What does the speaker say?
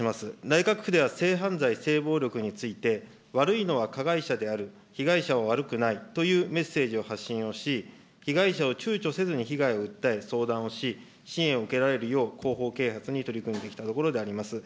内閣府では、性犯罪、性暴力について、悪いのは加害者である、被害者は悪くないというメッセージを発信をし、被害者はちゅうちょせずに被害を訴え相談をし、支援を受けられるよう、広報啓発に取り組んできたところであります。